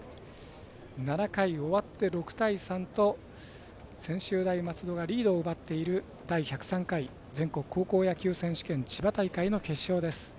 ７回、終わって６対３と専修大松戸がリードを奪っている第１０３回全国高校野球選手権千葉大会の決勝です。